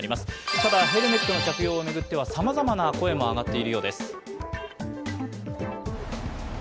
ただ、ヘルメットの着用を巡ってはさまざまな声も上がっているようです。